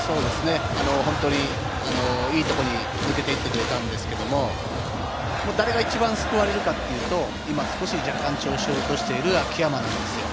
本当にいいところに抜けていってくれたんですけれど、誰が一番救われるかというと、若干、調子を落としている秋山なんですよ。